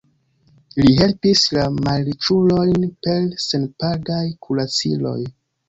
Li helpis la malriĉulojn per senpagaj kuraciloj.